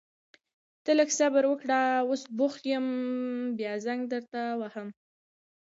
ته لږ صبر وکړه، اوس بوخت يم بيا زنګ درته کوم.